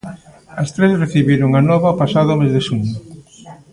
As tres recibiron a nova o pasado mes de xuño.